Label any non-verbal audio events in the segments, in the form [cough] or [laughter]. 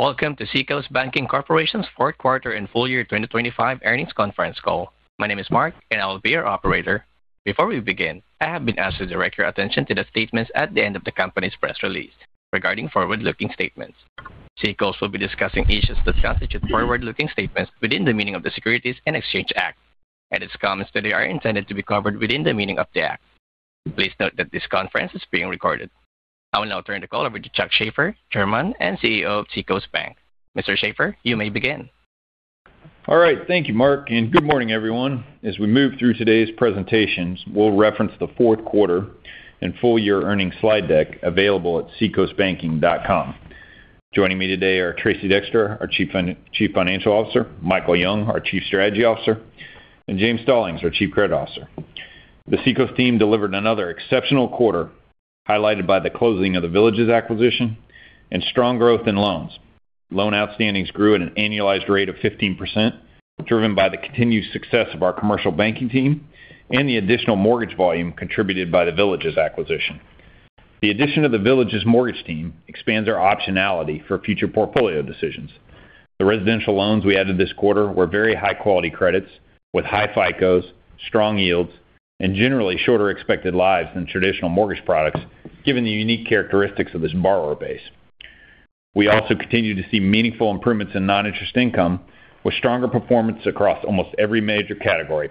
Welcome to Seacoast Banking Corporation's Fourth Quarter and Full-Year 2025 Earnings Conference Call. My name is Mark, and I will be your operator. Before we begin, I have been asked to direct your attention to the statements at the end of the company's press release regarding forward-looking statements. Seacoast will be discussing issues that constitute forward-looking statements within the meaning of the Securities and Exchange Act, and its comments today are intended to be covered within the meaning of the act. Please note that this conference is being recorded. I will now turn the call over to Charles Shaffer, Chairman and CEO of Seacoast Bank. Mr. Shaffer, you may begin. All right. Thank you, Mark, and good morning, everyone. As we move through today's presentations, we'll reference the fourth quarter and full year earnings slide deck available at seacoastbanking.com. Joining me today are Tracey Dexter, our Chief Financial Officer, Michael Young, our Chief Strategy Officer, and James Stallings, our Chief Credit Officer. The Seacoast team delivered another exceptional quarter, highlighted by the closing of the Villages acquisition and strong growth in loans. Loan outstandings grew at an annualized rate of 15%, driven by the continued success of our commercial banking team and the additional mortgage volume contributed by the Villages acquisition. The addition of the Villages mortgage team expands our optionality for future portfolio decisions. The residential loans we added this quarter were very high-quality credits with high FICOs, strong yields, and generally shorter expected lives than traditional mortgage products, given the unique characteristics of this borrower base. We also continue to see meaningful improvements in non-interest income, with stronger performance across almost every major category.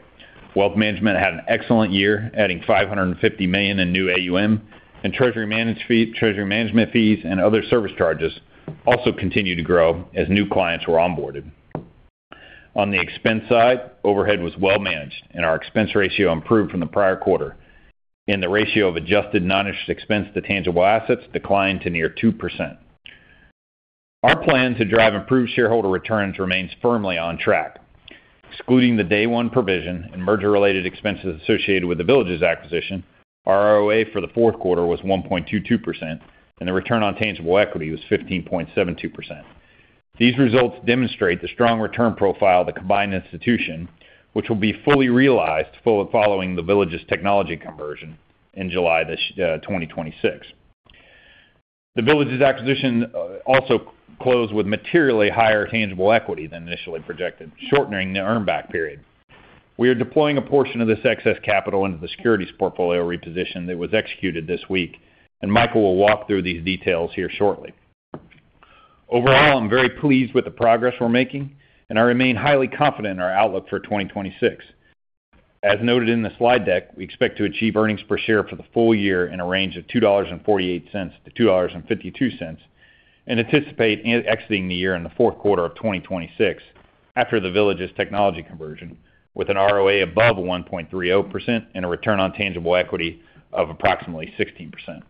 Wealth management had an excellent year, adding $550 million in new AUM and treasury management fees and other service charges also continued to grow as new clients were onboarded. On the expense side, overhead was well managed, and our expense ratio improved from the prior quarter. And the ratio of adjusted non-interest expense to tangible assets declined to near 2%. Our plan to drive improved shareholder returns remains firmly on track. Excluding the day one provision and merger-related expenses associated with the Villages acquisition, our ROA for the fourth quarter was 1.22%, and the return on tangible equity was 15.72%. These results demonstrate the strong return profile of the combined institution, which will be fully realized following the Villages technology conversion in July this 2026. The Villages acquisition also closed with materially higher tangible equity than initially projected, shortening the earn back period. We are deploying a portion of this excess capital into the securities portfolio reposition that was executed this week, and Michael will walk through these details here shortly. Overall, I'm very pleased with the progress we're making, and I remain highly confident in our outlook for 2026. As noted in the slide deck, we expect to achieve earnings per share for the full year in a range of $2.48-$2.52, and anticipate exiting the year in the fourth quarter of 2026 after the Villages technology conversion, with an ROA above 1.30% and a return on tangible equity of approximately 16%.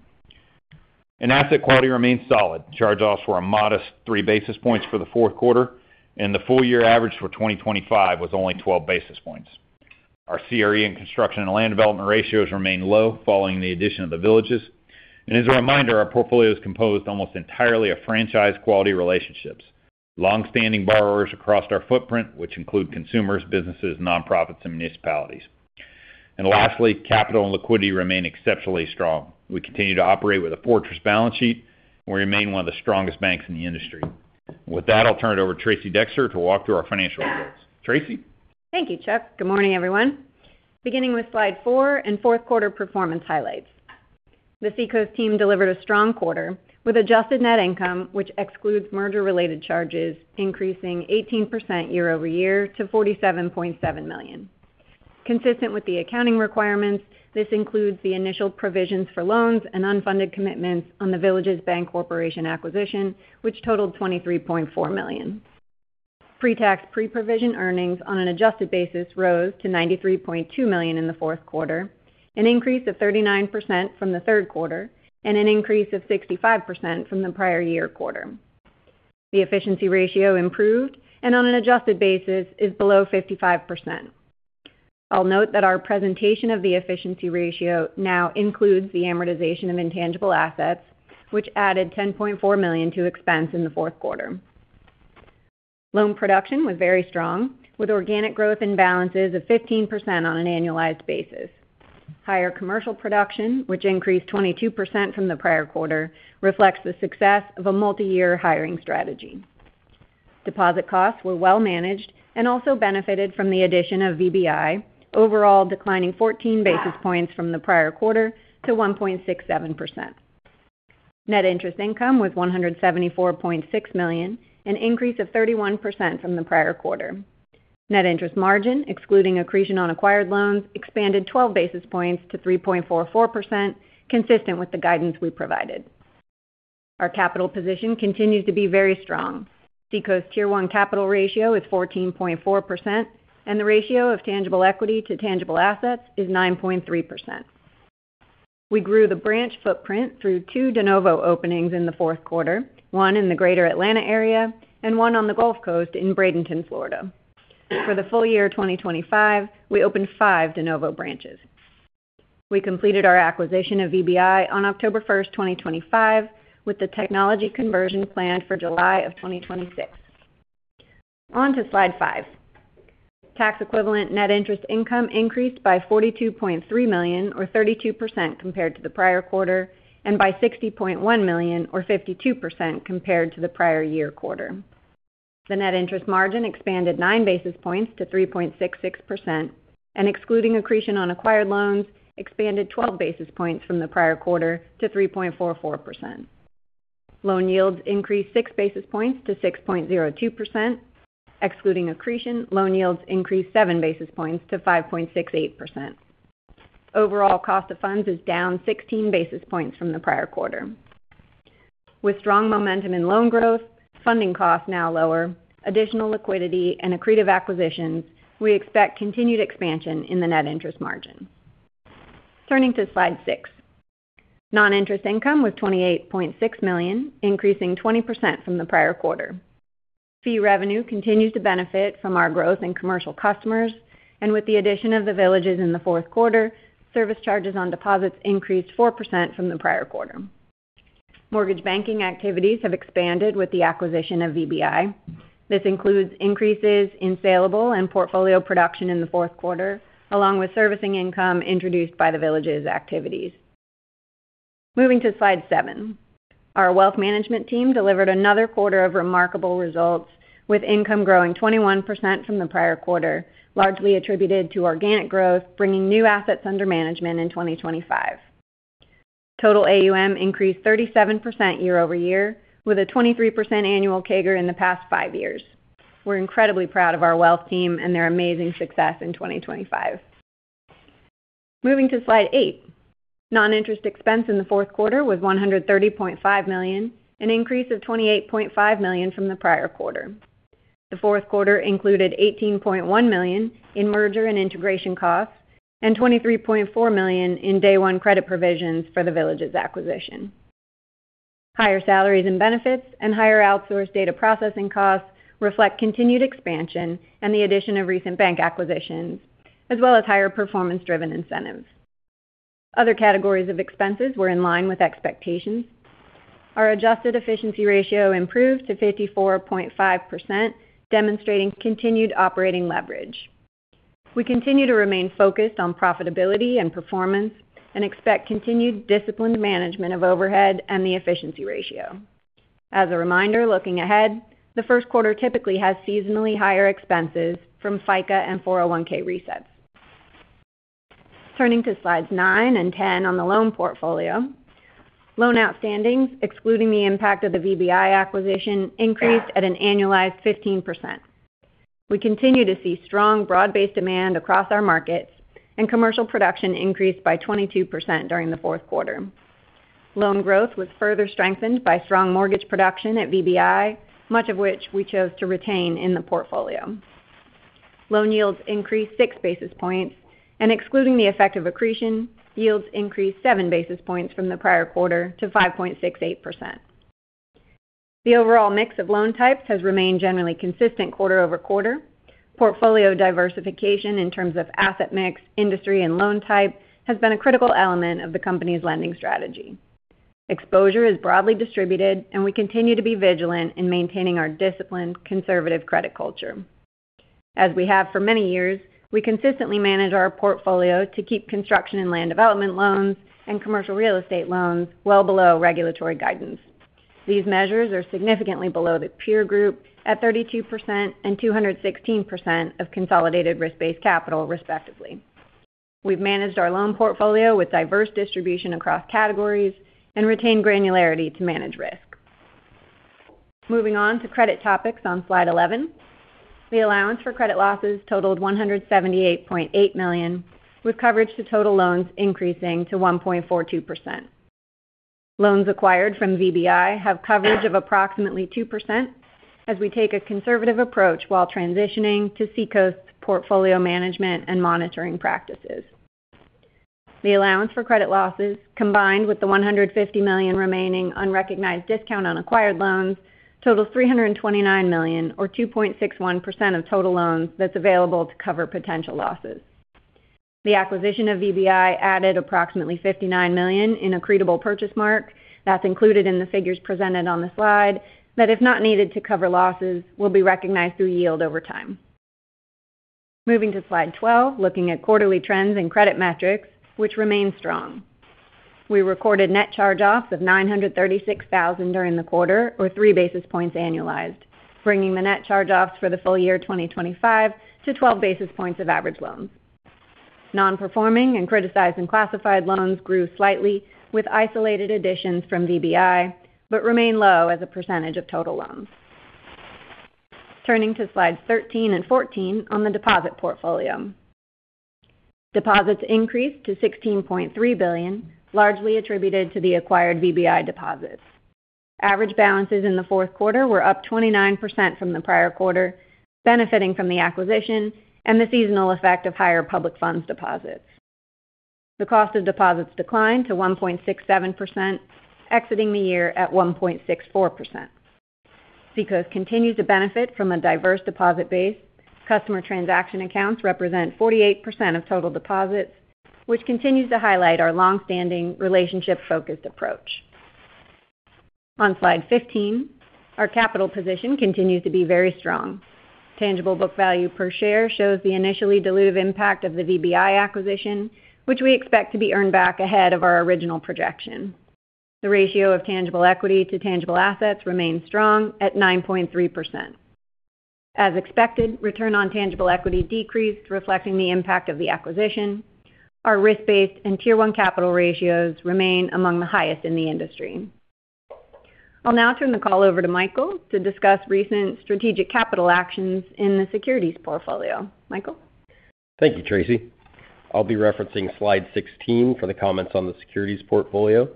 And asset quality remains solid. Charge-offs were a modest 3 basis points for the fourth quarter, and the full-year average for 2025 was only 12 basis points. Our CRE and construction and land development ratios remain low, following the addition of The Villages. And as a reminder, our portfolio is composed almost entirely of franchise-quality relationships, longstanding borrowers across our footprint, which include consumers, businesses, nonprofits, and municipalities. And lastly, capital and liquidity remain exceptionally strong. We continue to operate with a fortress balance sheet, and we remain one of the strongest banks in the industry. With that, I'll turn it over to Tracey Dexter to walk through our financial results. Tracey? Thank you, Chuck. Good morning, everyone. Beginning with slide four and fourth quarter performance highlights. The Seacoast team delivered a strong quarter, with adjusted net income, which excludes merger-related charges, increasing 18% year-over-year to $47.7 million. Consistent with the accounting requirements, this includes the initial provisions for loans and unfunded commitments on the Villages Bancorporation acquisition, which totaled $23.4 million. Pre-tax, pre-provision earnings on an adjusted basis rose to $93.2 million in the fourth quarter, an increase of 39% from the third quarter and an increase of 65% from the prior year quarter. The efficiency ratio improved, and on an adjusted basis is below 55%. I'll note that our presentation of the efficiency ratio now includes the amortization of intangible assets, which added $10.4 million to expense in the fourth quarter. Loan production was very strong, with organic growth and balances of 15% on an annualized basis. Higher commercial production, which increased 22% from the prior quarter, reflects the success of a multiyear hiring strategy. Deposit costs were well managed and also benefited from the addition of VBI, overall declining 14 basis points from the prior quarter to 1.67%. Net interest income was $174.6 million, an increase of 31% from the prior quarter. Net interest margin, excluding accretion on acquired loans, expanded 12 basis points to 3.44%, consistent with the guidance we provided. Our capital position continues to be very strong. Seacoast Tier 1 capital ratio is 14.4%, and the ratio of tangible equity to tangible assets is 9.3%. We grew the branch footprint through two de novo openings in the fourth quarter, one in the Greater Atlanta area and one on the Gulf Coast in Bradenton, Florida. For the full year of 2025, we opened five de novo branches. We completed our acquisition of VBI on October 1, 2025, with the technology conversion planned for July of 2026. On to slide five. Tax equivalent net interest income increased by $42.3 million, or 32% compared to the prior quarter, and by $60.1 million, or 52% compared to the prior year quarter. The net interest margin expanded nine basis points to 3.66%, and excluding accretion on acquired loans, expanded twelve basis points from the prior quarter to 3.44%. Loan yields increased six basis points to 6.02%. Excluding accretion, loan yields increased 7 basis points to 5.68%. Overall, cost of funds is down 16 basis points from the prior quarter. With strong momentum in loan growth, funding costs now lower, additional liquidity and accretive acquisitions, we expect continued expansion in the net interest margin. Turning to slide six. Non-interest income was $28.6 million, increasing 20% from the prior quarter. Fee revenue continues to benefit from our growth in commercial customers, and with the addition of The Villages in the fourth quarter, service charges on deposits increased 4% from the prior quarter. Mortgage banking activities have expanded with the acquisition of VBI. This includes increases in salable and portfolio production in the fourth quarter, along with servicing income introduced by The Villages activities. Moving to slide seven. Our wealth management team delivered another quarter of remarkable results, with income growing 21% from the prior quarter, largely attributed to organic growth, bringing new assets under management in 2025. Total AUM increased 37% year-over-year, with a 23% annual CAGR in the past five years. We're incredibly proud of our wealth team and their amazing success in 2025. Moving to slide 8. Non-interest expense in the fourth quarter was $130.5 million, an increase of $28.5 million from the prior quarter. The fourth quarter included $18.1 million in merger and integration costs, and $23.4 million in day one credit provisions for the Villages acquisition. Higher salaries and benefits and higher outsourced data processing costs reflect continued expansion and the addition of recent bank acquisitions, as well as higher performance-driven incentives. Other categories of expenses were in line with expectations. Our adjusted efficiency ratio improved to 54.5%, demonstrating continued operating leverage. We continue to remain focused on profitability and performance and expect continued disciplined management of overhead and the efficiency ratio. As a reminder, looking ahead, the first quarter typically has seasonally higher expenses from FICA and 401(k) resets. Turning to slides nine and 10 on the loan portfolio. Loan outstandings, excluding the impact of the VBI acquisition, increased at an annualized 15%. We continue to see strong broad-based demand across our markets, and commercial production increased by 22% during the fourth quarter. Loan growth was further strengthened by strong mortgage production at VBI, much of which we chose to retain in the portfolio. Loan yields increased 6 basis points, and excluding the effect of accretion, yields increased 7 basis points from the prior quarter to 5.68%. The overall mix of loan types has remained generally consistent quarter-over-quarter. Portfolio diversification in terms of asset mix, industry, and loan type has been a critical element of the company's lending strategy. Exposure is broadly distributed, and we continue to be vigilant in maintaining our disciplined, conservative credit culture. As we have for many years, we consistently manage our portfolio to keep construction and land development loans and commercial real estate loans well below regulatory guidance. These measures are significantly below the peer group at 32% and 216% of consolidated risk-based capital, respectively. We've managed our loan portfolio with diverse distribution across categories and retained granularity to manage risk. Moving on to credit topics on slide 11. The allowance for credit losses totaled $178.8 million, with coverage to total loans increasing to 1.42%. Loans acquired from VBI have coverage of approximately 2%, as we take a conservative approach while transitioning to Seacoast's portfolio management and monitoring practices. The allowance for credit losses, combined with the $150 million remaining unrecognized discount on acquired loans, total $329 million or 2.61% of total loans that's available to cover potential losses. The acquisition of VBI added approximately $59 million in accretable purchase mark. That's included in the figures presented on the slide that, if not needed to cover losses, will be recognized through yield over time. Moving to slide 12, looking at quarterly trends and credit metrics, which remain strong. We recorded net charge-offs of $936,000 during the quarter, or 3 basis points annualized, bringing the net charge-offs for the full year 2025 to 12 basis points of average loans. Non-performing and criticized and classified loans grew slightly with isolated additions from VBI, but remain low as a percentage of total loans. Turning to slides 13 and 14 on the deposit portfolio. Deposits increased to $16.3 billion, largely attributed to the acquired VBI deposits. Average balances in the fourth quarter were up 29% from the prior quarter, benefiting from the acquisition and the seasonal effect of higher public funds deposits. The cost of deposits declined to 1.67%, exiting the year at 1.64%. Seacoast continues to benefit from a diverse deposit base. Customer transaction accounts represent 48% of total deposits, which continues to highlight our long-standing relationship-focused approach. On slide 15, our capital position continues to be very strong. Tangible book value per share shows the initially dilutive impact of the VBI acquisition, which we expect to be earned back ahead of our original projection. The ratio of tangible equity to tangible assets remains strong at 9.3%. As expected, return on tangible equity decreased, reflecting the impact of the acquisition. Our risk-based and Tier 1 capital ratios remain among the highest in the industry. I'll now turn the call over to Michael to discuss recent strategic capital actions in the securities portfolio. Michael? Thank you, Tracey. I'll be referencing slide 16 for the comments on the securities portfolio.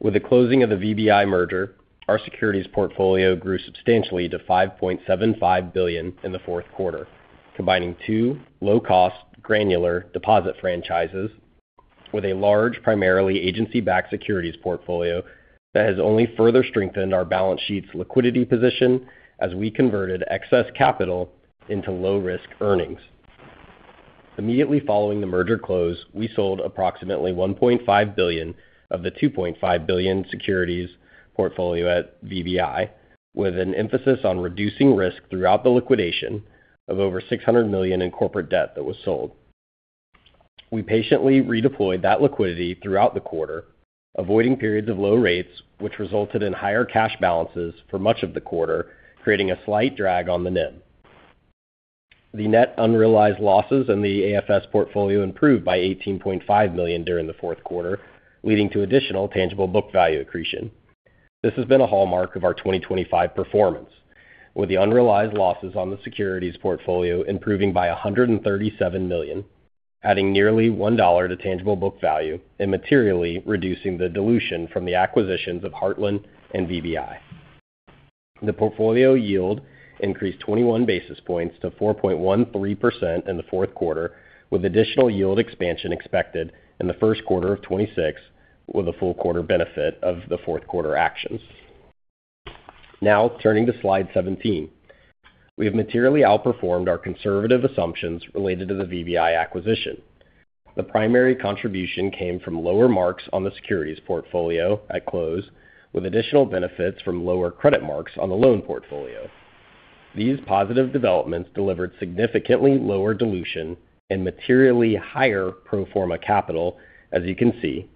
With the closing of the VBI merger, our securities portfolio grew substantially to $5.75 billion in the fourth quarter, combining two low-cost, granular deposit franchises with a large, primarily agency-backed securities portfolio that has only further strengthened our balance sheet's liquidity position as we converted excess capital into low-risk earnings. Immediately following the merger close, we sold approximately $1.5 billion of the $2.5 billion securities portfolio at VBI, with an emphasis on reducing risk throughout the liquidation of over $600 million in corporate debt that was sold. We patiently redeployed that liquidity throughout the quarter, avoiding periods of low rates, which resulted in higher cash balances for much of the quarter, creating a slight drag on the NIM. The net unrealized losses in the AFS portfolio improved by $18.5 million during the fourth quarter, leading to additional tangible book value accretion. This has been a hallmark of our 2025 performance, with the unrealized losses on the securities portfolio improving by $137 million, adding nearly $1 to tangible book value and materially reducing the dilution from the acquisitions of Heartland and VBI. The portfolio yield increased 21 basis points to 4.13% in the fourth quarter, with additional yield expansion expected in the first quarter of 2026, with a full quarter benefit of the fourth quarter actions. Now turning to slide 17. We have materially outperformed our conservative assumptions related to the VBI acquisition. The primary contribution came from lower marks on the securities portfolio at close, with additional benefits from lower credit marks on the loan portfolio. These positive developments delivered significantly lower dilution and materially higher pro forma capital as you can see.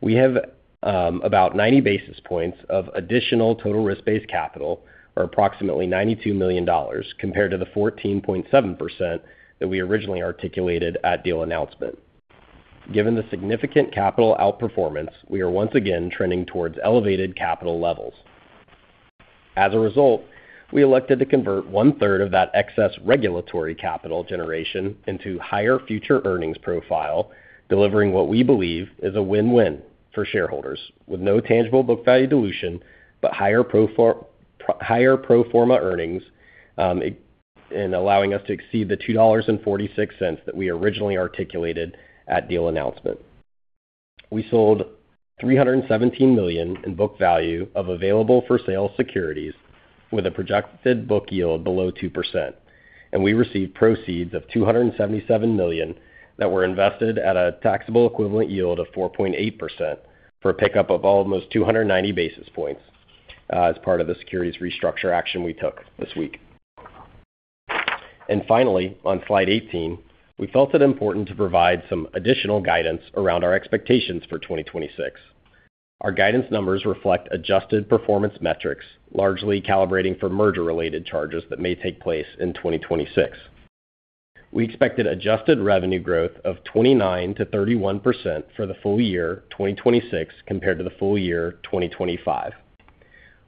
We have about 90 basis points of additional total risk-based capital, or approximately $92 million, compared to the 14.7% that we originally articulated at deal announcement. Given the significant capital outperformance, we are once again trending towards elevated capital levels. As a result, we elected to convert one-third of that excess regulatory capital generation into higher future earnings profile, delivering what we believe is a win-win for shareholders, with no tangible book value dilution, but higher pro forma earnings, and allowing us to exceed the $2.46 that we originally articulated at deal announcement. We sold $317 million in book value of available-for-sale securities with a projected book yield below 2%, and we received proceeds of $277 million that were invested at a taxable equivalent yield of 4.8% for a pickup of almost 290 basis points, as part of the securities restructure action we took this week. And finally, on slide 18, we felt it important to provide some additional guidance around our expectations for 2026. Our guidance numbers reflect adjusted performance metrics, largely calibrating for merger-related charges that may take place in 2026. We expected adjusted revenue growth of 29%-31% for the full year 2026, compared to the full year 2025.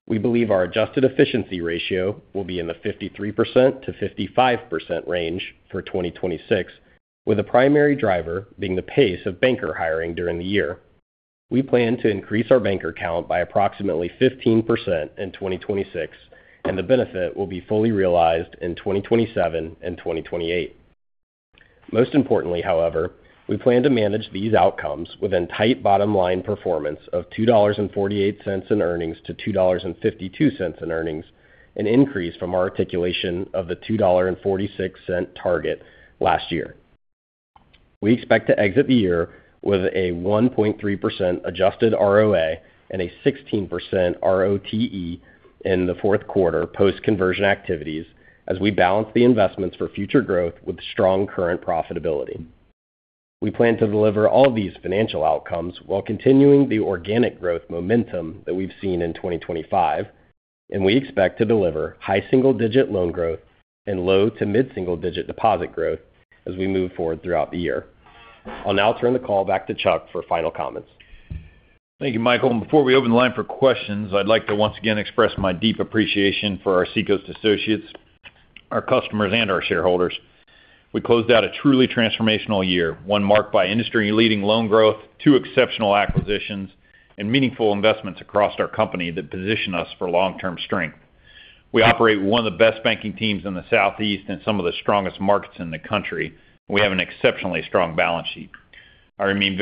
We believe our adjusted efficiency ratio will be in the 53%-55% range for 2026, with the primary driver being the pace of banker hiring during the year. We plan to increase our banker count by approximately 15% in 2026, and the benefit will be fully realized in 2027 and 2028. Most importantly, however, we plan to manage these outcomes within tight bottom line performance of $2.48 in earnings to $2.52 in earnings, an increase from our articulation of the $2.46 target last year. We expect to exit the year with a 1.3% adjusted ROA and a 16% ROTE in the fourth quarter post-conversion activities as we balance the investments for future growth with strong current profitability. We plan to deliver all these financial outcomes while continuing the organic growth momentum that we've seen in 2025, and we expect to deliver high single-digit loan growth and low- to mid-single-digit deposit growth as we move forward throughout the year. I'll now turn the call back to Chuck for final comments. Thank you, Michael. Before we open the line for questions, I'd like to once again express my deep appreciation for our Seacoast associates, our customers, and our shareholders. We closed out a truly transformational year, one marked by industry-leading loan growth, two exceptional acquisitions, and meaningful investments across our company that position us for long-term strength. We operate one of the best banking teams in the Southeast and some of the strongest markets in the country. We have an exceptionally strong balance sheet. I remain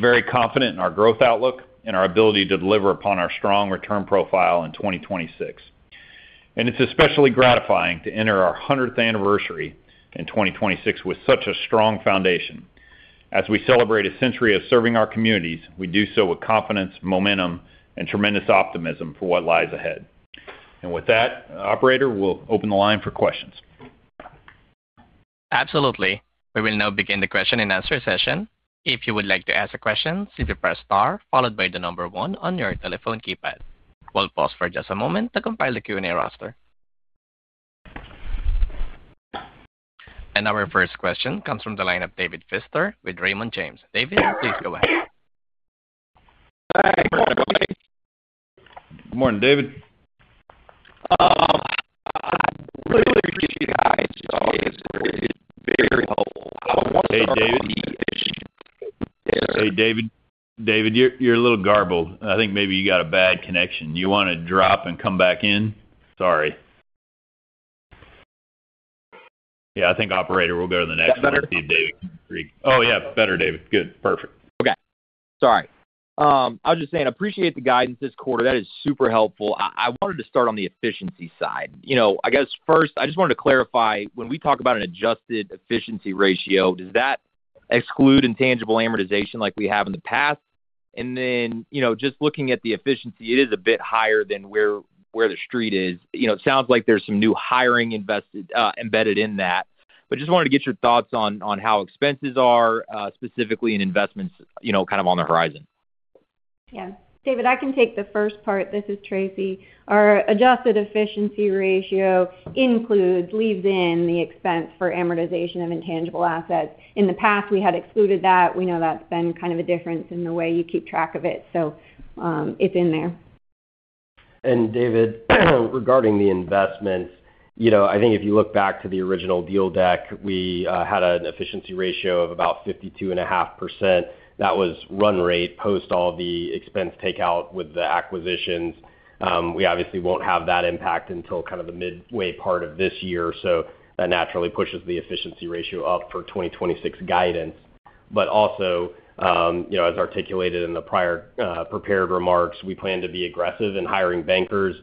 very confident in our growth outlook and our ability to deliver upon our strong return profile in 2026.... and it's especially gratifying to enter our hundredth anniversary in 2026 with such a strong foundation. As we celebrate a century of serving our communities, we do so with confidence, momentum, and tremendous optimism for what lies ahead. With that, operator, we'll open the line for questions. Absolutely. We will now begin the question and answer session. If you would like to ask a question, simply press star followed by the number one on your telephone keypad. We'll pause for just a moment to compile the Q&A roster. Our first question comes from the line of David Feaster with Raymond James. David, please go ahead. Hi, good morning, everybody. Good morning, David. [audio distortion] Hey, David? Hey, David. David, you're a little garbled. I think maybe you got a bad connection. Do you want to drop and come back in? Sorry. Yeah, I think, operator, we'll go to the next- Is that better? David. Oh, yeah, better, David. Good. Perfect. Okay. Sorry. I was just saying, I appreciate the guidance this quarter. That is super helpful. I wanted to start on the efficiency side. You know, I guess first, I just wanted to clarify, when we talk about an adjusted efficiency ratio, does that exclude intangible amortization like we have in the past? And then, you know, just looking at the efficiency, it is a bit higher than where the street is. You know, it sounds like there's some new hiring invested, embedded in that. But just wanted to get your thoughts on how expenses are, specifically in investments, you know, kind of on the horizon. Yeah, David, I can take the first part. This is Tracey. Our adjusted efficiency ratio includes, leaves in the expense for amortization of intangible assets. In the past, we had excluded that. We know that's been kind of a difference in the way you keep track of it, so, it's in there. And David, regarding the investments, you know, I think if you look back to the original deal deck, we had an efficiency ratio of about 52.5%. That was run rate, post all the expense takeout with the acquisitions. We obviously won't have that impact until kind of the midway part of this year, so that naturally pushes the efficiency ratio up for 2026 guidance. But also, you know, as articulated in the prior prepared remarks, we plan to be aggressive in hiring bankers.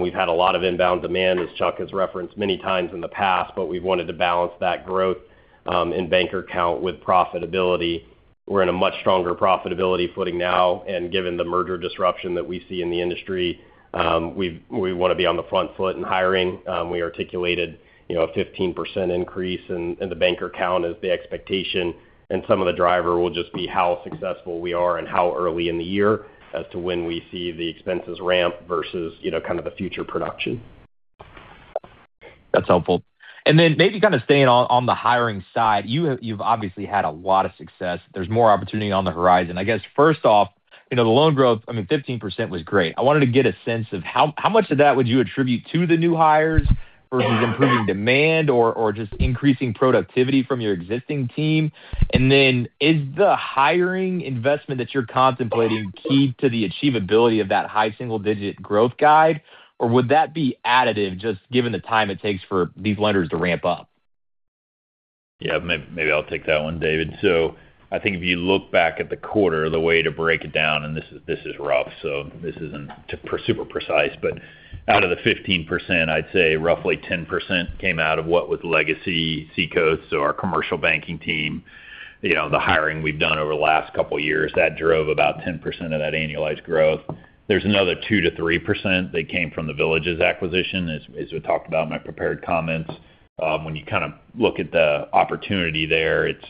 We've had a lot of inbound demand, as Chuck has referenced many times in the past, but we've wanted to balance that growth in banker count with profitability. We're in a much stronger profitability footing now, and given the merger disruption that we see in the industry, we want to be on the front foot in hiring. We articulated, you know, a 15% increase in the banker count as the expectation, and some of the driver will just be how successful we are and how early in the year as to when we see the expenses ramp versus, you know, kind of the future production. That's helpful. Then maybe kind of staying on the hiring side, you have, you've obviously had a lot of success. There's more opportunity on the horizon. I guess, first off, you know, the loan growth, I mean, 15% was great. I wanted to get a sense of how much of that would you attribute to the new hires versus improving demand or just increasing productivity from your existing team? And then is the hiring investment that you're contemplating key to the achievability of that high single-digit growth guide, or would that be additive, just given the time it takes for these lenders to ramp up? Yeah, maybe I'll take that one, David. So I think if you look back at the quarter, the way to break it down, and this is rough, so this isn't super precise, but out of the 15%, I'd say roughly 10% came out of what was legacy Seacoast, so our commercial banking team. You know, the hiring we've done over the last couple of years, that drove about 10% of that annualized growth. There's another 2%-3% that came from the Villages acquisition, as we talked about in my prepared comments. When you kind of look at the opportunity there, it's,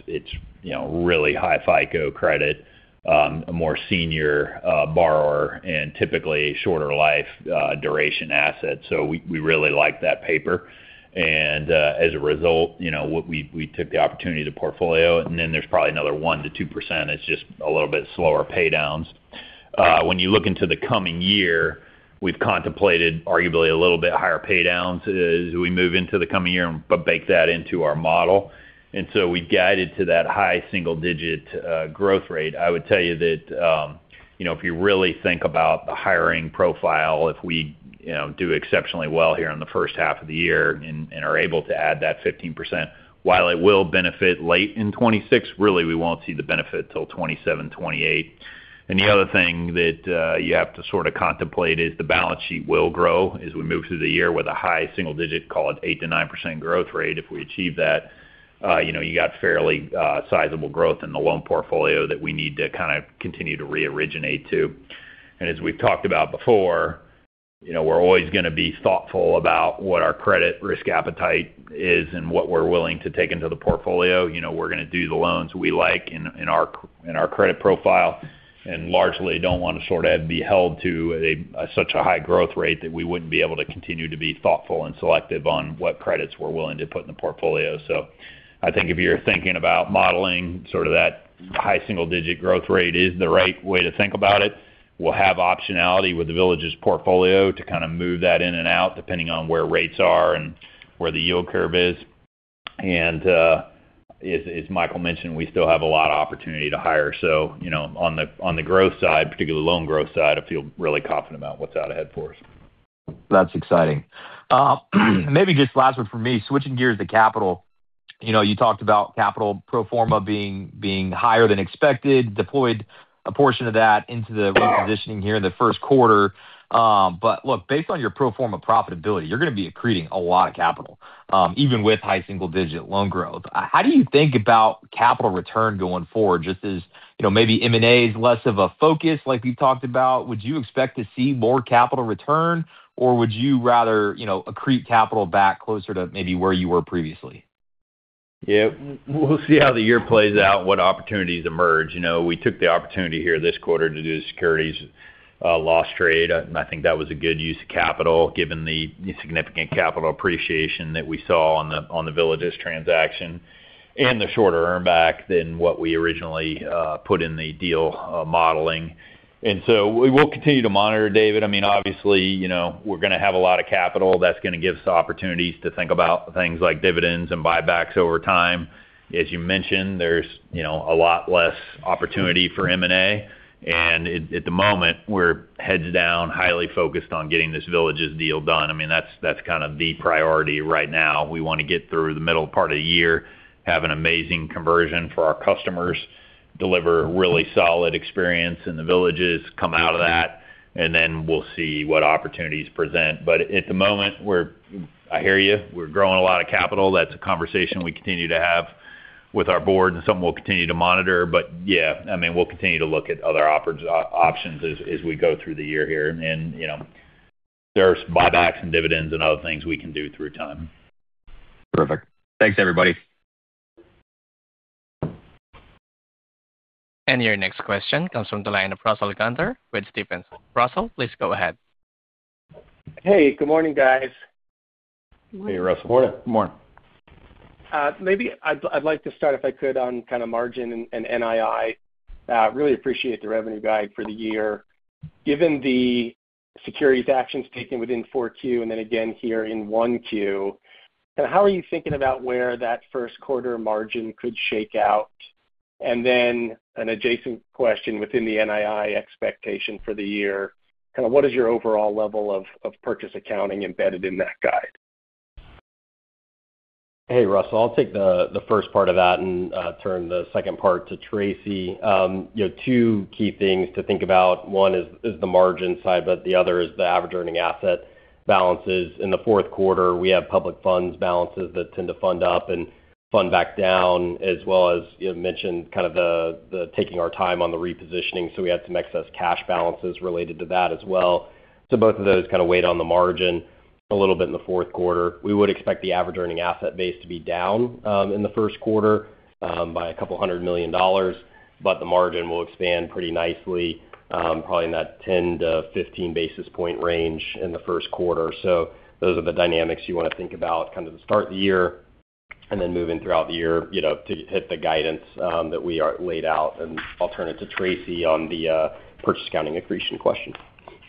you know, really high FICO credit, a more senior borrower and typically shorter life duration asset. So we really like that paper. As a result, you know, what we, we took the opportunity to portfolio it, and then there's probably another 1%-2%, it's just a little bit slower pay downs. When you look into the coming year, we've contemplated arguably a little bit higher pay downs as we move into the coming year, but bake that into our model. And so we guided to that high single-digit growth rate. I would tell you that, you know, if you really think about the hiring profile, if we, you know, do exceptionally well here in the first half of the year and, and are able to add that 15%, while it will benefit late in 2026, really, we won't see the benefit till 2027, 2028. The other thing that you have to sort of contemplate is the balance sheet will grow as we move through the year with a high single-digit, call it 8%-9% growth rate. If we achieve that, you know, you got fairly sizable growth in the loan portfolio that we need to kind of continue to reoriginate to. And as we've talked about before, you know, we're always gonna be thoughtful about what our credit risk appetite is and what we're willing to take into the portfolio. You know, we're gonna do the loans we like in our credit profile, and largely don't want to sort of be held to such a high growth rate that we wouldn't be able to continue to be thoughtful and selective on what credits we're willing to put in the portfolio. So I think if you're thinking about modeling, sort of that high single digit growth rate is the right way to think about it. We'll have optionality with The Villages portfolio to kind of move that in and out, depending on where rates are and where the yield curve is. And, as Michael mentioned, we still have a lot of opportunity to hire. So, you know, on the growth side, particularly loan growth side, I feel really confident about what's out ahead for us. That's exciting. Maybe just last one for me. Switching gears to capital. You know, you talked about capital pro forma being higher than expected, deployed a portion of that into the repositioning here in the first quarter. But look, based on your pro forma profitability, you're going to be accreting a lot of capital, even with high single-digit loan growth. How do you think about capital return going forward? Just as, you know, maybe M&A is less of a focus, like we've talked about, would you expect to see more capital return, or would you rather, you know, accrete capital back closer to maybe where you were previously? Yeah, we'll see how the year plays out and what opportunities emerge. You know, we took the opportunity here this quarter to do the securities loss trade, and I think that was a good use of capital, given the significant capital appreciation that we saw on the Villages transaction and the shorter earn back than what we originally put in the deal modeling. And so we will continue to monitor, David. I mean, obviously, you know, we're going to have a lot of capital. That's going to give us the opportunities to think about things like dividends and buybacks over time. As you mentioned, there's, you know, a lot less opportunity for M&A, and at the moment, we're heads down, highly focused on getting this Villages deal done. I mean, that's kind of the priority right now. We want to get through the middle part of the year, have an amazing conversion for our customers, deliver really solid experience in The Villages, come out of that, and then we'll see what opportunities present. But at the moment, we're. I hear you, we're growing a lot of capital. That's a conversation we continue to have with our board and something we'll continue to monitor. But yeah, I mean, we'll continue to look at other options as we go through the year here. And, you know, there's buybacks and dividends and other things we can do through time. Perfect. Thanks, everybody. Your next question comes from the line of Russell Gunther with Stephens. Russell, please go ahead. Hey, good morning, guys. Hey, Russell. Good morning. Good morning. Maybe I'd, I'd like to start, if I could, on kind of margin and, and NII. Really appreciate the revenue guide for the year. Given the securities actions taken within 4Q and then again here in 1Q, kind of how are you thinking about where that first quarter margin could shake out? And then an adjacent question within the NII expectation for the year, kind of what is your overall level of, of purchase accounting embedded in that guide? Hey, Russell, I'll take the first part of that and turn the second part to Tracey. You know, two key things to think about. One is the margin side, but the other is the average earning asset balances. In the fourth quarter, we have public funds balances that tend to fund up and fund back down, as well as, you mentioned, kind of the taking our time on the repositioning, so we had some excess cash balances related to that as well. So both of those kind of weighed on the margin a little bit in the fourth quarter. We would expect the average earning asset base to be down in the first quarter by a couple hundred million, but the margin will expand pretty nicely, probably in that 10-15 basis point range in the first quarter. Those are the dynamics you want to think about kind of the start of the year and then moving throughout the year, you know, to hit the guidance that we are laid out. I'll turn it to Tracey on the purchase accounting accretion question.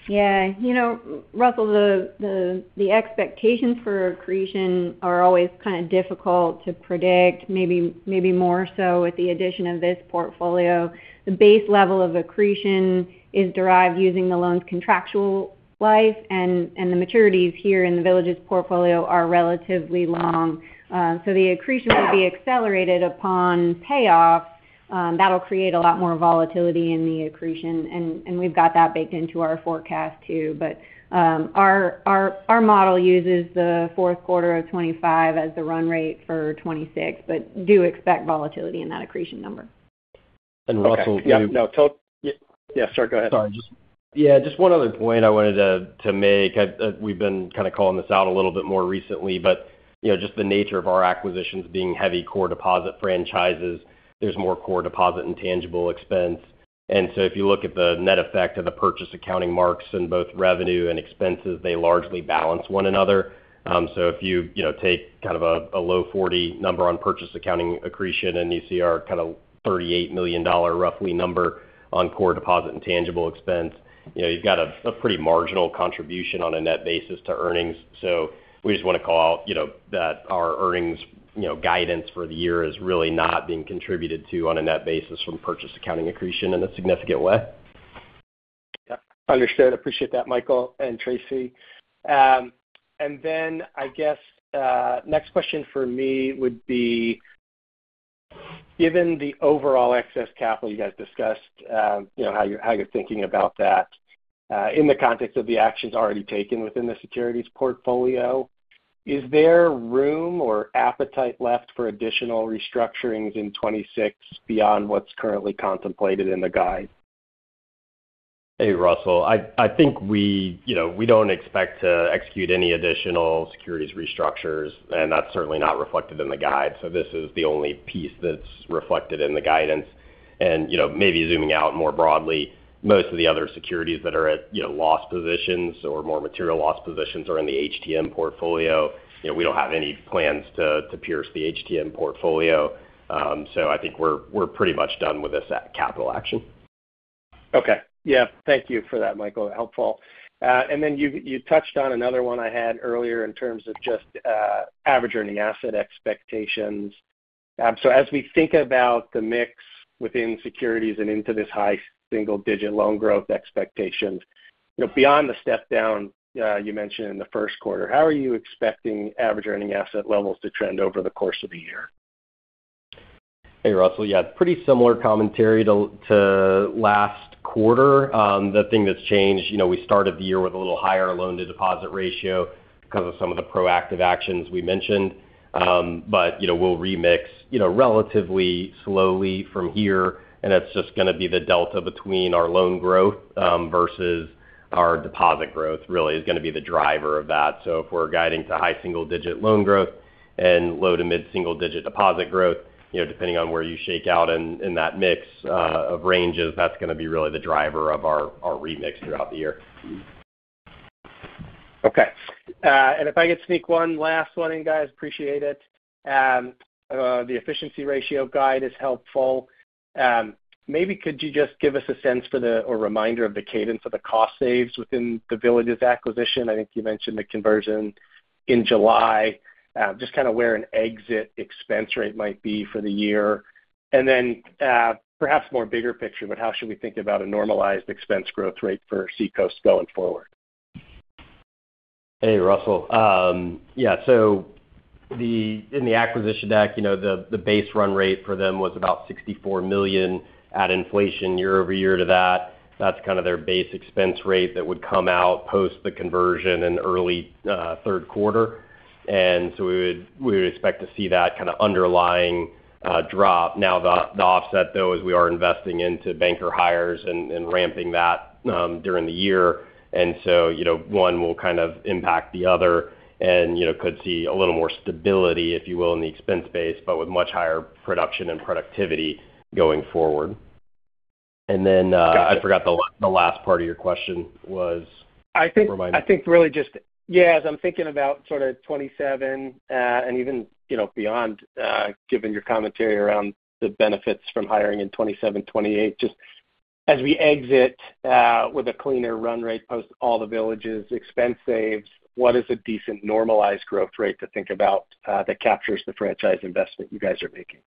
Yeah. You know, Russell, the expectations for accretion are always kind of difficult to predict, maybe more so with the addition of this portfolio. The base level of accretion is derived using the loan's contractual life, and the maturities here in The Villages portfolio are relatively long. So the accretion will be accelerated upon payoff. That'll create a lot more volatility in the accretion, and we've got that baked into our forecast, too. But our model uses the fourth quarter of 2025 as the run rate for 2026, but do expect volatility in that accretion number. And Russell- Okay. Yeah, no... Yeah, sorry, go ahead. Sorry. Just, Yeah, just one other point I wanted to make. I've—we've been kind of calling this out a little bit more recently, but, you know, just the nature of our acquisitions being heavy core deposit franchises, there's more core deposit and tangible expense. And so if you look at the net effect of the purchase accounting marks in both revenue and expenses, they largely balance one another. So if you, you know, take kind of a low 40 number on purchase accounting accretion, and you see our kind of $38 million, roughly, number on core deposit and tangible expense, you know, you've got a pretty marginal contribution on a net basis to earnings. So we just want to call out, you know, that our earnings, you know, guidance for the year is really not being contributed to on a net basis from purchase accounting accretion in a significant way. Yeah. Understood. Appreciate that, Michael and Tracey. And then I guess, next question for me would be: given the overall excess capital you guys discussed, you know, how you're, how you're thinking about that, in the context of the actions already taken within the securities portfolio, is there room or appetite left for additional restructurings in 2026 beyond what's currently contemplated in the guide? Hey, Russell. I think we, you know, we don't expect to execute any additional securities restructures, and that's certainly not reflected in the guide. So this is the only piece that's reflected in the guidance. And, you know, maybe zooming out more broadly, most of the other securities that are at, you know, loss positions or more material loss positions are in the HTM portfolio. You know, we don't have any plans to pierce the HTM portfolio. So I think we're pretty much done with this at capital action. Okay. Yeah. Thank you for that, Michael. Helpful. And then you touched on another one I had earlier in terms of just average earning asset expectations. So as we think about the mix within securities and into this high single-digit loan growth expectations, you know, beyond the step down you mentioned in the first quarter, how are you expecting average earning asset levels to trend over the course of the year? Hey, Russell. Yeah, pretty similar commentary to last quarter. The thing that's changed, you know, we started the year with a little higher loan-to-deposit ratio because of some of the proactive actions we mentioned. But, you know, we'll remix, you know, relatively slowly from here, and that's just gonna be the delta between our loan growth versus our deposit growth, really is gonna be the driver of that. So if we're guiding to high single-digit loan growth and low to mid-single digit deposit growth, you know, depending on where you shake out in that mix of ranges, that's gonna be really the driver of our remix throughout the year. Okay. And if I could sneak one last one in, guys. Appreciate it. The efficiency ratio guide is helpful. Maybe could you just give us a sense for the or reminder of the cadence of the cost saves within the Villages acquisition? I think you mentioned the conversion in July. Just kind of where an exit expense rate might be for the year. And then, perhaps more bigger picture, but how should we think about a normalized expense growth rate for Seacoast going forward? Hey, Russell. Yeah, so, in the acquisition deck, you know, the base run rate for them was about $64 million at inflation year over year to that. That's kind of their base expense rate that would come out post the conversion in early third quarter. And so we would expect to see that kind of underlying drop. Now, the offset, though, is we are investing into banker hires and ramping that during the year. And so, you know, one will kind of impact the other and, you know, could see a little more stability, if you will, in the expense base, but with much higher production and productivity going forward. And then, I forgot the last part of your question was? Remind me. I think, I think really just, yeah, as I'm thinking about sort of 2027, and even, you know, beyond, given your commentary around the benefits from hiring in 2027, 2028. Just as we exit, with a cleaner run rate post all the The Villages expense saves, what is a decent normalized growth rate to think about, that captures the franchise investment you guys are making?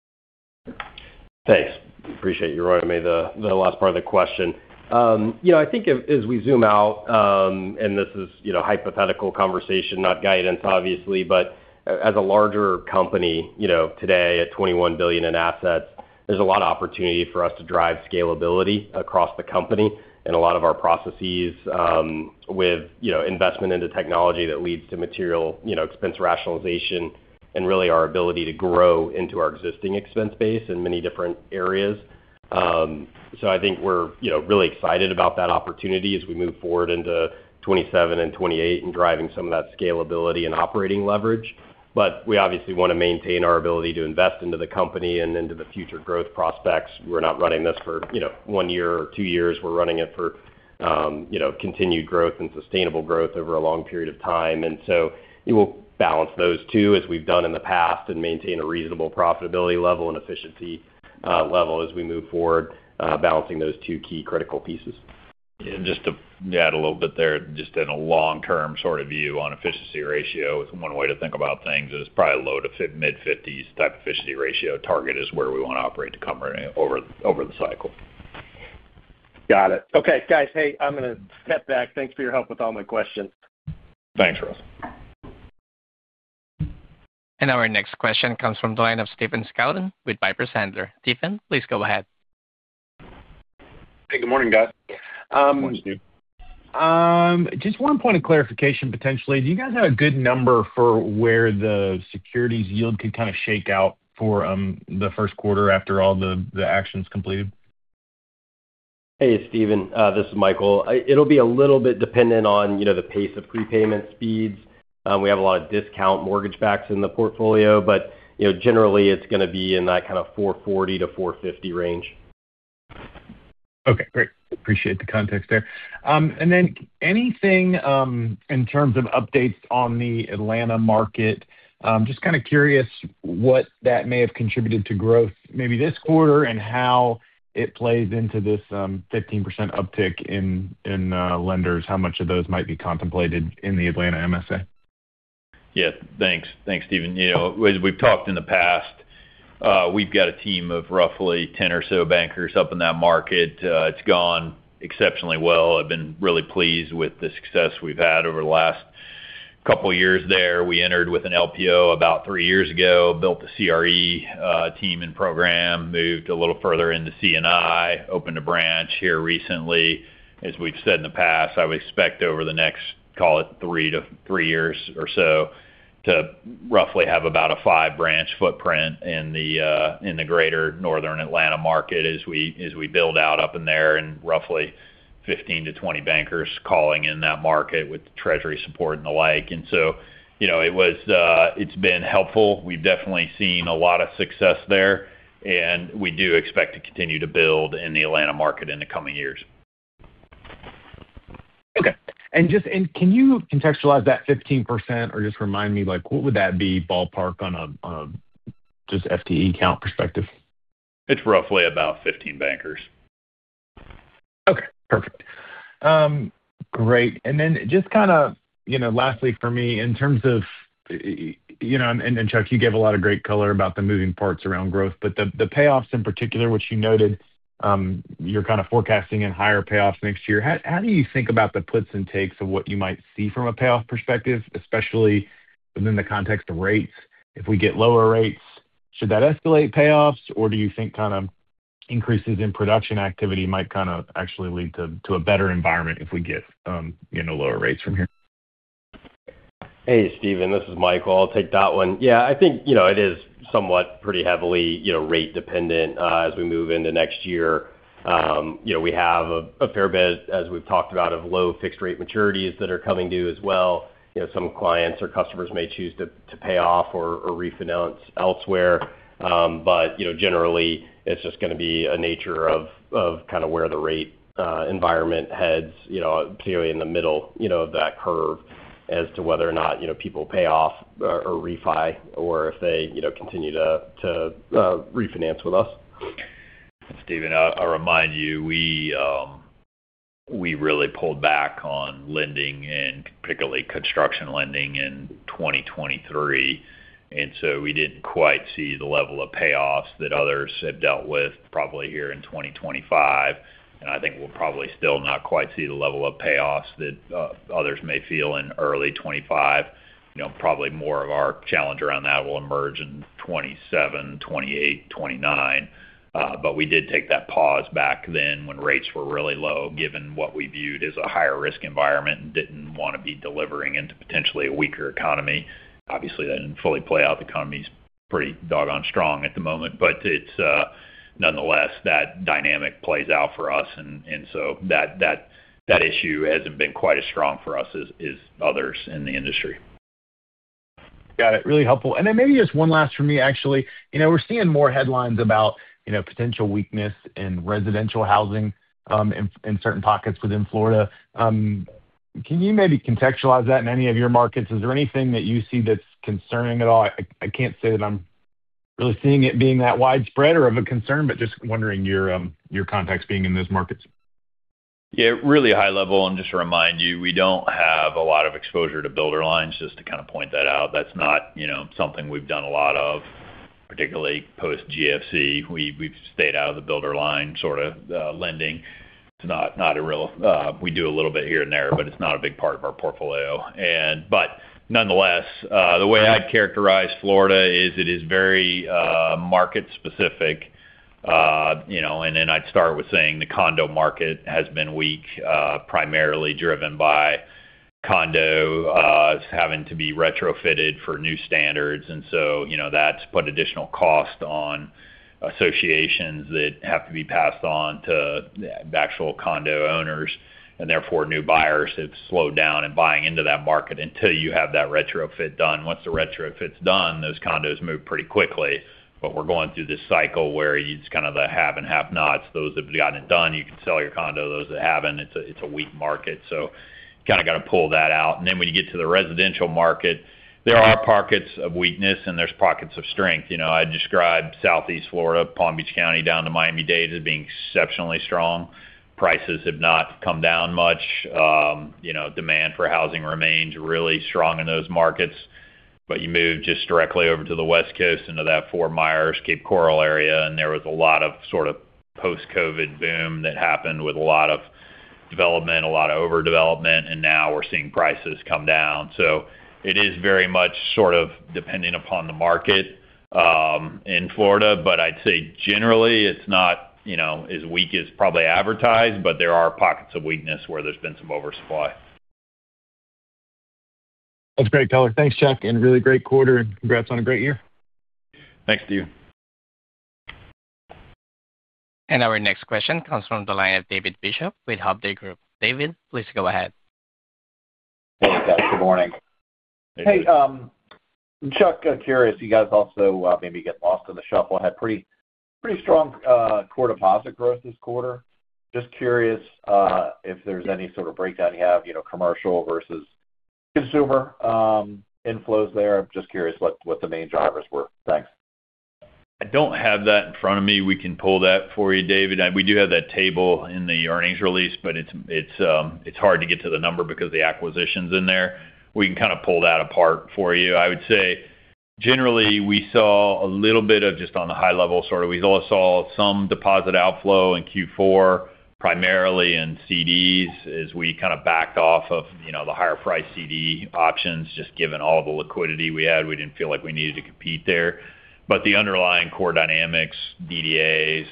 Thanks. Appreciate you reminding me the last part of the question. You know, I think as we zoom out, and this is, you know, hypothetical conversation, not guidance, obviously, but as a larger company, you know, today at $21 billion in assets, there's a lot of opportunity for us to drive scalability across the company and a lot of our processes, with, you know, investment into technology that leads to material, you know, expense rationalization and really our ability to grow into our existing expense base in many different areas. So I think we're, you know, really excited about that opportunity as we move forward into 2027 and 2028 and driving some of that scalability and operating leverage. But we obviously want to maintain our ability to invest into the company and into the future growth prospects. We're not running this for, you know, one year or two years. We're running it for, you know, continued growth and sustainable growth over a long period of time. And so we will balance those two, as we've done in the past, and maintain a reasonable profitability level and efficiency level as we move forward, balancing those two key critical pieces. Just to add a little bit there, just in a long-term sort of view on efficiency ratio, one way to think about things is probably low- to mid-50s type efficiency ratio target is where we want to operate the company over, over the cycle. Got it. Okay, guys. Hey, I'm gonna step back. Thanks for your help with all my questions. Thanks, Russ. Our next question comes from the line of Stephen Scouten with Piper Sandler. Stephen, please go ahead. Hey, good morning, guys. Morning, Stephen. Just one point of clarification, potentially. Do you guys have a good number for where the securities yield could kind of shake out for the first quarter after all the actions completed? Hey, Stephen, this is Michael. It'll be a little bit dependent on, you know, the pace of prepayment speeds. We have a lot of discount mortgage backs in the portfolio, but, you know, generally, it's gonna be in that kind of 4.40-4.50 range. Okay, great. Appreciate the context there. And then anything in terms of updates on the Atlanta market? Just kind of curious what that may have contributed to growth maybe this quarter and how it plays into this 15% uptick in lenders, how much of those might be contemplated in the Atlanta MSA? Yeah. Thanks. Thanks, Stephen. You know, as we've talked in the past, we've got a team of roughly 10 or so bankers up in that market. It's gone exceptionally well. I've been really pleased with the success we've had over the last couple of years there. We entered with an LPO about three years ago, built a CRE team and program, moved a little further into C&I, opened a branch here recently. As we've said in the past, I would expect over the next, call it three to three years or so, to roughly have about a 5-branch footprint in the greater northern Atlanta market as we build out up in there, and roughly 15-20 bankers calling in that market with Treasury support and the like. And so, you know, it's been helpful. We've definitely seen a lot of success there, and we do expect to continue to build in the Atlanta market in the coming years. Okay. And can you contextualize that 15% or just remind me, like, what would that be, ballpark, on a, on a just FTE count perspective? It's roughly about 15 bankers. Perfect. Great. And then just kind of, you know, lastly for me, in terms of, you know, and, Chuck, you gave a lot of great color about the moving parts around growth, but the, the payoffs in particular, which you noted, you're kind of forecasting higher payoffs next year. How do you think about the puts and takes of what you might see from a payoff perspective, especially within the context of rates? If we get lower rates, should that escalate payoffs, or do you think kind of increases in production activity might kind of actually lead to a better environment if we get, you know, lower rates from here? Hey, Steven, this is Michael. I'll take that one. Yeah, I think, you know, it is somewhat pretty heavily, you know, rate dependent as we move into next year. You know, we have a fair bit, as we've talked about, of low fixed rate maturities that are coming due as well. You know, some clients or customers may choose to pay off or refinance elsewhere. But, you know, generally, it's just gonna be a nature of kind of where the rate environment heads, you know, clearly in the middle, you know, of that curve as to whether or not, you know, people pay off or refi, or if they, you know, continue to refinance with us. Steven, I'll remind you, we really pulled back on lending and particularly construction lending in 2023, and so we didn't quite see the level of payoffs that others have dealt with probably here in 2025. I think we'll probably still not quite see the level of payoffs that others may feel in early 2025. You know, probably more of our challenge around that will emerge in 2027, 2028, 2029. But we did take that pause back then when rates were really low, given what we viewed as a higher risk environment and didn't want to be delivering into potentially a weaker economy. Obviously, that didn't fully play out. The economy's pretty doggone strong at the moment, but it's nonetheless that dynamic plays out for us. And so that issue hasn't been quite as strong for us as others in the industry. Got it. Really helpful. And then maybe just one last for me, actually. You know, we're seeing more headlines about, you know, potential weakness in residential housing in certain pockets within Florida. Can you maybe contextualize that in any of your markets? Is there anything that you see that's concerning at all? I can't say that I'm really seeing it being that widespread or of a concern, but just wondering your context being in those markets. Yeah, really high level, and just to remind you, we don't have a lot of exposure to builder lines, just to kind of point that out. That's not, you know, something we've done a lot of, particularly post GFC. We've stayed out of the builder line, sort of, lending. It's not, we do a little bit here and there, but it's not a big part of our portfolio. But nonetheless, the way I'd characterize Florida is it is very market specific. You know, and then I'd start with saying the condo market has been weak, primarily driven by condo having to be retrofitted for new standards. So, you know, that's put additional cost on associations that have to be passed on to the actual condo owners, and therefore, new buyers have slowed down in buying into that market until you have that retrofit done. Once the retrofit's done, those condos move pretty quickly. But we're going through this cycle where it's kind of the have and have nots. Those that have gotten it done, you can sell your condo. Those that haven't, it's a, it's a weak market, so kind of got to pull that out. And then when you get to the residential market, there are pockets of weakness, and there's pockets of strength. You know, I describe Southeast Florida, Palm Beach County, down to Miami-Dade, as being exceptionally strong. Prices have not come down much. You know, demand for housing remains really strong in those markets. But you move just directly over to the West Coast, into that Fort Myers, Cape Coral area, and there was a lot of sort of post-COVID boom that happened with a lot of development, a lot of overdevelopment, and now we're seeing prices come down. So it is very much sort of depending upon the market, in Florida, but I'd say generally it's not, you know, as weak as probably advertised, but there are pockets of weakness where there's been some oversupply. That's great color. Thanks, Chuck, and really great quarter, and congrats on a great year. Thanks, Steve. Our next question comes from the line of David Bishop with Hovde Group. David, please go ahead. Hey, guys, good morning. Hey. Chuck, curious, you guys also maybe get lost in the shuffle, had pretty strong core deposit growth this quarter. Just curious if there's any sort of breakdown you have, you know, commercial versus consumer inflows there. I'm just curious what the main drivers were. Thanks. I don't have that in front of me. We can pull that for you, David. We do have that table in the earnings release, but it's hard to get to the number because the acquisition's in there. We can kind of pull that apart for you. I would say, generally, we saw a little bit of just on the high level, sort of, we saw some deposit outflow in Q4, primarily in CDs, as we kind of backed off of, you know, the higher price CD options. Just given all the liquidity we had, we didn't feel like we needed to compete there. But the underlying core dynamics, DDAs,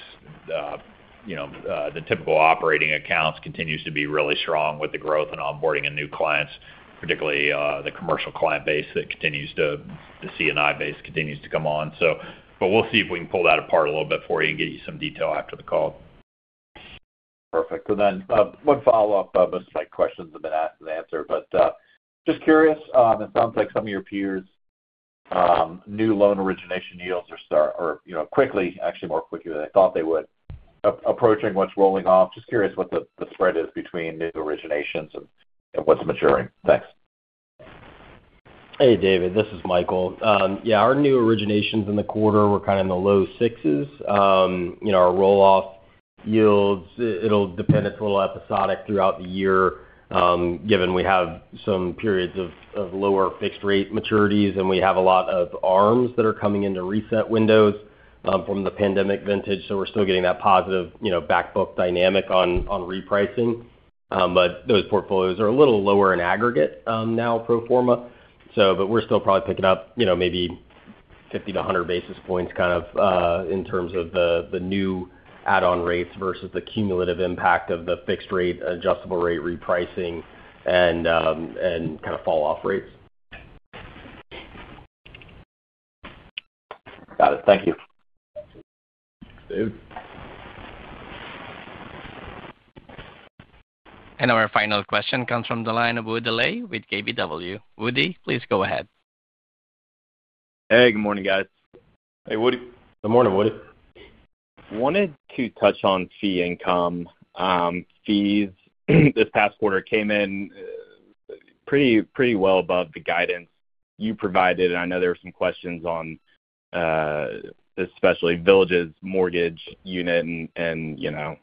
you know, the typical operating accounts continues to be really strong with the growth and onboarding of new clients, particularly the commercial client base that continues to, the C&I base continues to come on. We'll see if we can pull that apart a little bit for you and get you some detail after the call. Perfect. So then, one follow-up, this question has been asked and answered, but, just curious, it sounds like some of your peers, new loan origination yields are, you know, quickly, actually more quickly than I thought they would, approaching what's rolling off. Just curious what the, the spread is between new originations and, and what's maturing. Thanks. Hey, David, this is Michael. Yeah, our new originations in the quarter were kind of in the low sixes. You know, our roll-off yields, it'll depend. It's a little episodic throughout the year, given we have some periods of lower fixed rate maturities, and we have a lot of ARMs that are coming into reset windows, from the pandemic vintage. So we're still getting that positive, you know, back book dynamic on repricing. But those portfolios are a little lower in aggregate now pro forma. So but we're still probably picking up, you know, maybe 50-100 basis points, kind of, in terms of the new add-on rates versus the cumulative impact of the fixed rate, adjustable rate repricing and kind of fall-off rates. Got it. Thank you.... Dave. Our final question comes from the line of Wood Lay with KBW. Wood Lay, please go ahead. Hey, good morning, guys. Hey, Woody. Good morning, Woody. Wanted to touch on fee income. Fees this past quarter came in pretty, pretty well above the guidance you provided, and I know there were some questions on, especially Villages Mortgage unit and, you know,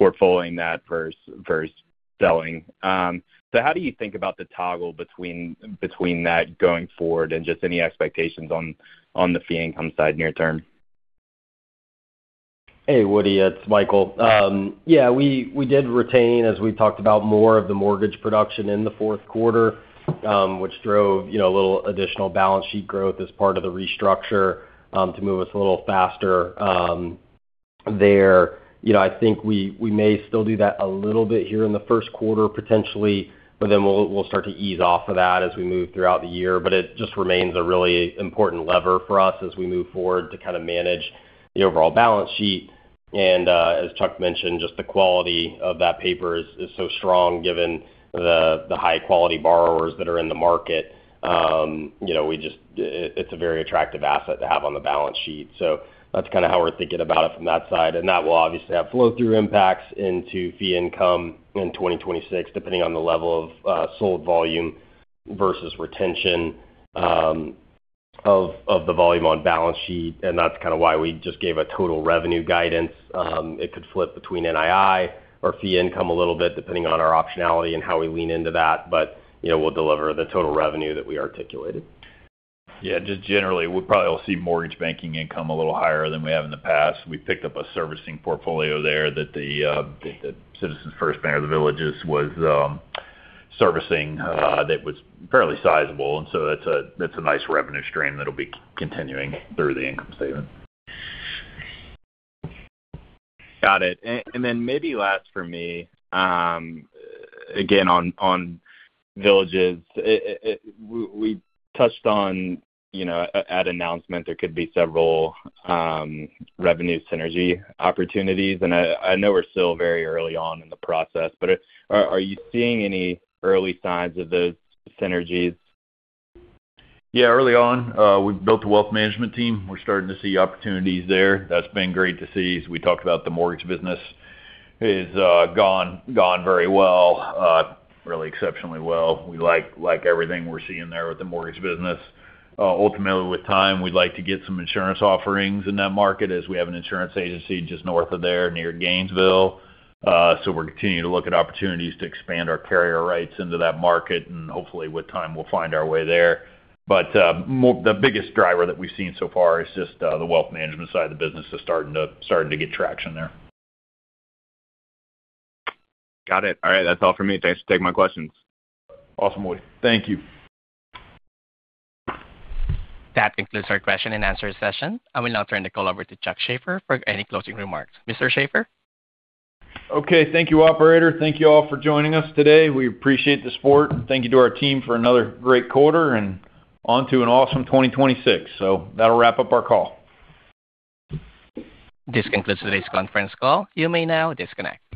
portfolioing that versus selling. So how do you think about the toggle between that going forward and just any expectations on the fee income side near term? Hey, Woody, it's Michael. Yeah, we, we did retain, as we talked about, more of the mortgage production in the fourth quarter, which drove, you know, a little additional balance sheet growth as part of the restructure, to move us a little faster, there. You know, I think we, we may still do that a little bit here in the first quarter, potentially, but then we'll, we'll start to ease off of that as we move throughout the year. But it just remains a really important lever for us as we move forward to kind of manage the overall balance sheet. And, as Chuck mentioned, just the quality of that paper is, is so strong given the, the high-quality borrowers that are in the market. You know, we just, it's a very attractive asset to have on the balance sheet. So that's kind of how we're thinking about it from that side, and that will obviously have flow-through impacts into fee income in 2026, depending on the level of sold volume versus retention of the volume on balance sheet. And that's kind of why we just gave a total revenue guidance. It could flip between NII or fee income a little bit, depending on our optionality and how we lean into that. But, you know, we'll deliver the total revenue that we articulated. Yeah, just generally, we probably will see mortgage banking income a little higher than we have in the past. We picked up a servicing portfolio there that the, the Citizens First Bank of the Villages was servicing, that was fairly sizable, and so that's a, that's a nice revenue stream that'll be continuing through the income statement. Got it. And then maybe last for me, again, on Villages. It -- we touched on, you know, at announcement, there could be several revenue synergy opportunities, and I know we're still very early on in the process, but are you seeing any early signs of those synergies? Yeah, early on, we built a wealth management team. We're starting to see opportunities there. That's been great to see. As we talked about, the mortgage business is going very well, really exceptionally well. We like everything we're seeing there with the mortgage business. Ultimately, with time, we'd like to get some insurance offerings in that market as we have an insurance agency just north of there, near Gainesville. So we're continuing to look at opportunities to expand our carrier rights into that market and hopefully with time we'll find our way there. But more, the biggest driver that we've seen so far is just the wealth management side of the business is starting to get traction there. Got it. All right. That's all for me. Thanks for taking my questions. Awesome, Woody. Thank you. That concludes our question and answer session. I will now turn the call over to Chuck Shaffer for any closing remarks. Mr. Shaffer? Okay, thank you, operator. Thank you all for joining us today. We appreciate the support. Thank you to our team for another great quarter, and on to an awesome 2026. So that'll wrap up our call. This concludes today's conference call. You may now disconnect.